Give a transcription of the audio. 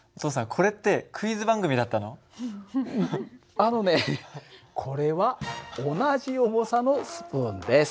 あのねこれは同じ重さのスプーンです。